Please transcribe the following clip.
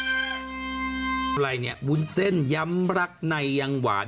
อะไรเนี่ยวุ้นเส้นย้ำรักในยังหวาน